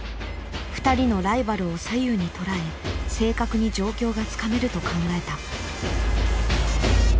２人のライバルを左右に捉え正確に状況がつかめると考えた。